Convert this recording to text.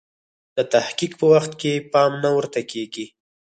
د تحقیق په وخت کې پام نه ورته کیږي.